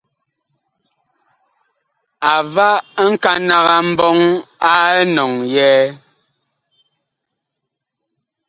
A va nkanag a mbɔŋ a enɔŋ yɛɛ.